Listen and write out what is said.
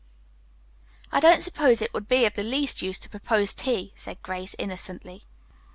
"I don't suppose it would be of the least use to propose tea," said Grace innocently.